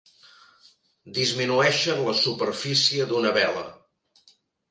Disminueixen la superfície d'una vela.